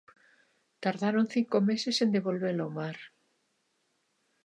Tardaron cinco meses en devolvelo ao mar.